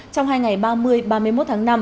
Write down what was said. trong hai ngày ba mươi ba mươi một tháng năm